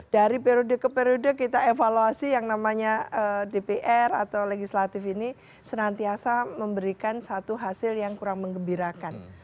dari periode ke periode kita evaluasi yang namanya dpr atau legislatif ini senantiasa memberikan satu hasil yang kurang mengembirakan